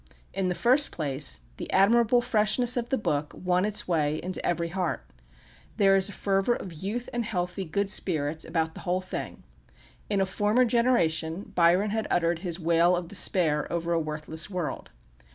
In the first place, the admirable freshness of the book won its way into every heart. There is a fervour of youth and healthy good spirits about the whole thing. In a former generation, Byron had uttered his wail of despair over a worthless world.